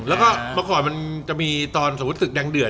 แล้วก็มาก่อนก็จะมีตอนสมมุติตรึกแดงเดือด